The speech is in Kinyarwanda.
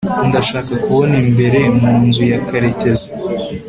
ndashaka kubona imbere mu nzu ya karekezi